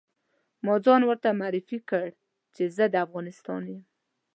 ما ځان ورته معرفي کړ چې زه د افغانستان یم.